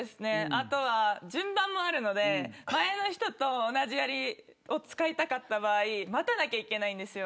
あとは順番もあるので前の人と同じやりを使いたかった場合待たなきゃいけないんですよ。